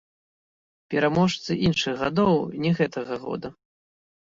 Пераможцы іншых гадоў, не гэтага года.